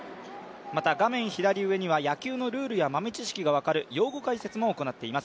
また、画面左上には野球のルールや豆知識が分かる用語解説も行っています。